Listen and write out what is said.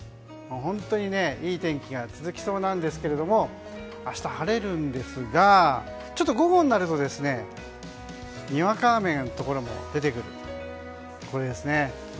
本当にいい天気が続きそうなんですけれども明日、晴れるんですがちょっと午後になるとにわか雨のところも出てくる。